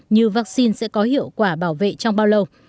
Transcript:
như vaccine sẽ có hiệu quả bảo vệ trong bao lâu